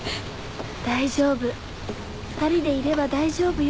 大丈夫２人でいれば大丈夫よ。